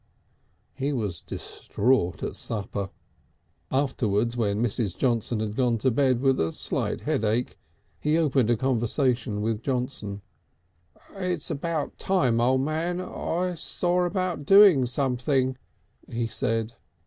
He was distraught at supper. Afterwards, when Mrs. Johnson had gone to bed with a slight headache, he opened a conversation with Johnson. "It's about time, O' Man, I saw about doing something," he said.